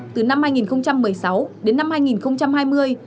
từ năm hai nghìn một mươi sáu đến năm hai nghìn hai mươi